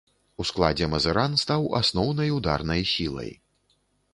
У складзе мазыран стаў асноўнай ударнай сілай.